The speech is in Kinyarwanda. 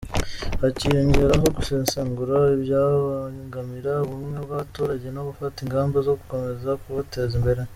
Hakiyongeraho gusesengura ibyabangamira ubumwe bw’abaturage no gufata ingamba zo gukomeza kubuteza imbere.